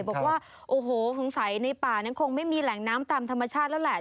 บอกว่าโอ้โหสงสัยในป่านั้นคงไม่มีแหล่งน้ำตามธรรมชาติแล้วแหละ